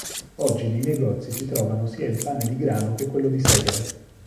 Oggi nei negozi si trovano sia il pane di grano che quello di segale.